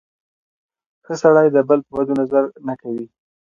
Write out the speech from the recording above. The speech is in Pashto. ښه سړی د بل په بدو نظر نه کوي.